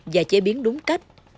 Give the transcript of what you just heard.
và chế biến đúng cách